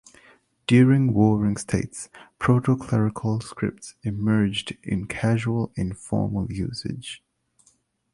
During Warring States, proto-clerical script emerged in casual, informal usage.